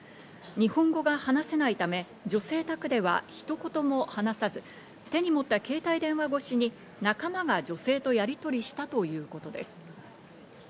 日本語が話せないため、女性宅では一言も話さず、手に持った携帯電話越しに仲間が女性とやりとりしたということです。